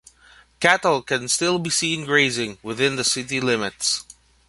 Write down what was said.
Cattle can still be seen grazing within the city limits.